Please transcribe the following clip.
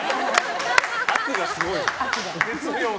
圧がすごいんだ。